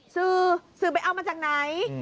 สื่อสื่อไปเอามาจากไหน